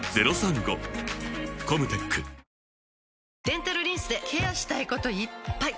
デンタルリンスでケアしたいこといっぱい！